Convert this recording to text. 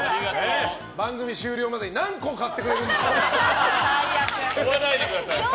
番組終了までに何個買ってくれるんでしょう。